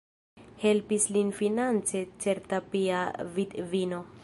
Helpis lin finance certa pia vidvino.